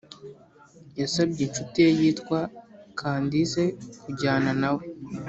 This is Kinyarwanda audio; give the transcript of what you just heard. yasabye inshuti ye yitwa Candice kujyana nawe